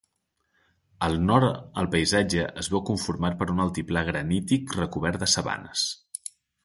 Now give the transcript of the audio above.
Al nord el paisatge es veu conformat per un altiplà granític recobert de sabanes.